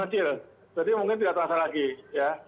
jadi mungkin tidak terasa lagi ya